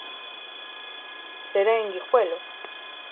Será en Guijuelo.